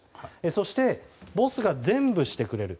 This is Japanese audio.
そして、ボスが全部してくれる。